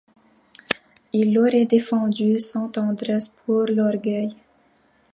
Elle l'aurait défendu, sans tendresse, pour l'orgueil.